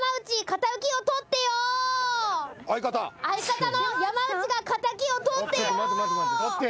相方の山内が敵を取ってよ。